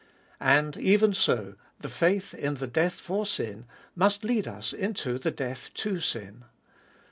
And, even so, the faith in the death for sin, must lead us into the death to sin.